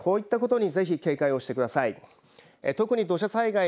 ですからこういったことにぜひ警戒をしてください。